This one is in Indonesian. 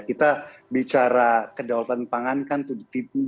kita bicara kedaulatan pangan kan bukan hanya di masa penjualan